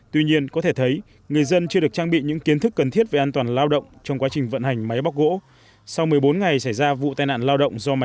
tuy nhiên có thể thấy người dân chưa được trang bị những kiến thức cần thiết về an toàn lao động trong quá trình vận hành máy bóc gỗ